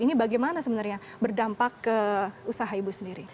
ini bagaimana sebenarnya berdampak ke usaha ibu sendiri